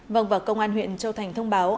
vòng và công an huyện châu thành thông báo